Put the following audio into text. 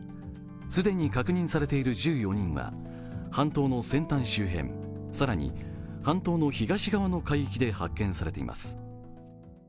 既に確認されている１４人は半島の先端周辺、更に半島の東側の海域で発見されています。